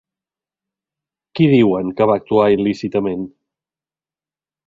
Qui diuen que va actuar il·lícitament?